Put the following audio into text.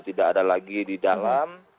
tidak ada lagi di dalam